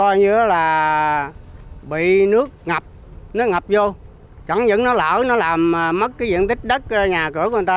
nước ngập vô chẳng những nó lỡ nó làm mất cái diện tích đất nhà cửa của người ta